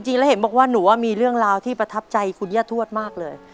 จริงแล้วเห็นบอกว่าหนูว่ามีเรื่องราวที่ประทับใจคุณย่าทวดมากเลย